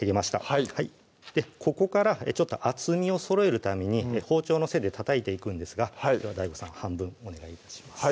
はいここから厚みをそろえるために包丁の背でたたいていくんですがＤＡＩＧＯさん半分お願い致します